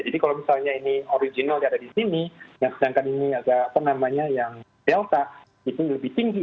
jadi kalau misalnya ini original yang ada di sini sedangkan ini yang delta itu lebih tinggi